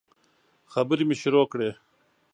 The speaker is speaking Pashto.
خبري مي شروع کړې !